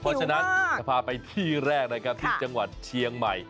เพราะฉะนั้นจะพาไปที่แรกที่เฉียงใหม่